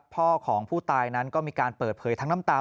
พ่อของผู้ตายนั้นก็มีการเปิดเผยทั้งน้ำตา